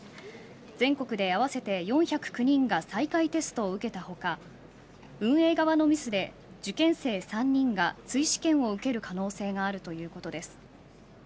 全国で合わせて４０９人が再開テストを受けた他運営側のミスで受験生３人が追試験を受ける可能性があるということです。